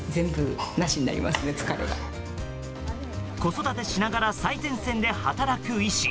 子育てしながら最前線で働く医師。